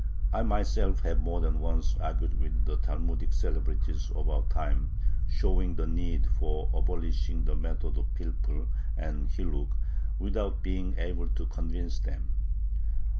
I myself have more than once argued with the Talmudic celebrities of our time, showing the need for abolishing the method of pilpul and hilluk, without being able to convince them.